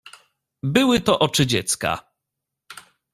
"Były to oczy dziecka."